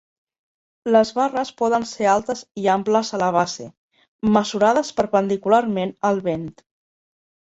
Les barres poden ser altes i amples a la base, mesurades perpendicularment al vent.